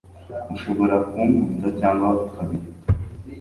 ushobora ku nkunda cyangwa ukabireka